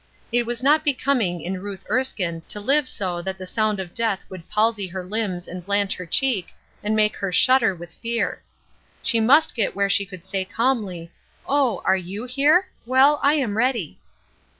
It was not becoming in Ruth Erskine to live so that the sound of death could palsy her limbs and blanch her cheek and make her shudder with fear. She must get where she could say calmly: "Oh, are you here? Well, I am ready."